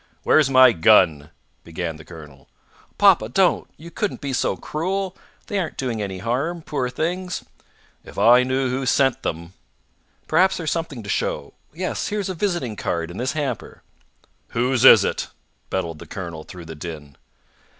"Where's my gun?" began the colonel. "Papa, don't! You couldn't be so cruel! They aren't doing any harm, poor things!" "If I knew who sent them " "Perhaps there's something to show. Yes; here's a visiting card in this hamper." "Whose is it?" bellowed the colonel through the din.